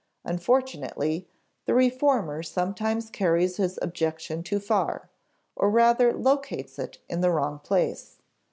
Unfortunately, the reformer sometimes carries his objection too far, or rather locates it in the wrong place.